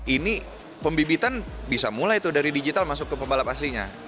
ini pembibitan bisa mulai tuh dari digital masuk ke pembalap aslinya